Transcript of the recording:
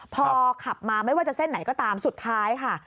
พอขับมาไม่ว่าจะเส้นไหนก็ตามสุดท้ายค่ะ